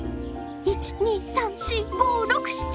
１２３４５６７。